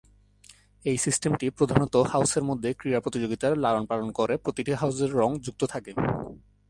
এই সিস্টেমটি প্রধানত হাউসের মধ্যে ক্রীড়া প্রতিযোগিতার লালনপালন করে, প্রতিটি হাউসের রং যুক্ত থাকে।